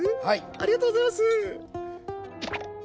ありがとうございます。